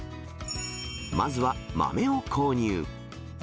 まずは豆を購入。